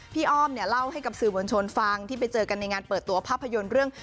อ้อมเนี่ยเล่าให้กับสื่อมวลชนฟังที่ไปเจอกันในงานเปิดตัวภาพยนตร์เรื่อง